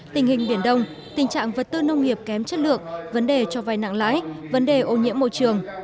tình hình biển đông tình trạng vật tư nông nghiệp kém chất lượng vấn đề cho vai nặng lãi vấn đề ô nhiễm môi trường